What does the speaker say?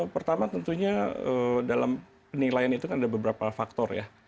pertama tentunya dalam penilaian itu kan ada beberapa faktor ya